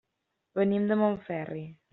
Venim de Montferri.